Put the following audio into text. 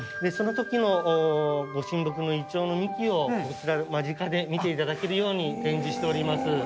その時の御神木のイチョウの幹を間近で見ていただけるように展示しております。